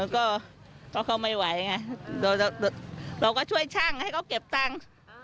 ก็เขาไม่ไหวไงเราก็ช่วยช่างให้เขาเก็บตังค์